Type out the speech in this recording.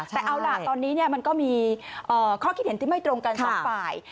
แต่เอาล่ะตอนนี้มันก็มีข้อคิดเห็นที่ไม่ตรงกันสองฝ่าย